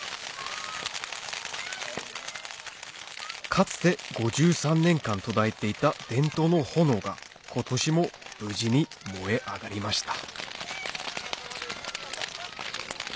かつて５３年間途絶えていた伝統の炎が今年も無事に燃え上がりました